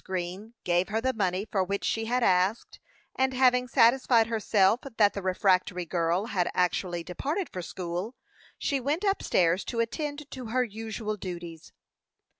Green gave her the money for which she had asked, and having satisfied herself that the refractory girl had actually departed for school, she went up stairs to attend to her usual duties.